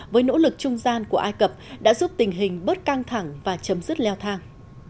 với nỗ lực trung gian của ai cập đã giúp tình hình bớt căng thẳng và chấm dứt leo thang